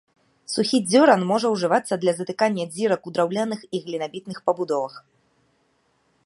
Сухі дзёран можа ўжывацца для затыкання дзірак у драўляных і глінабітных пабудовах.